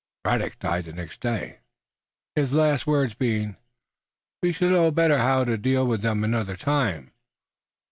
Braddock died the next day, his last words being, "We shall know better how to deal with them another time."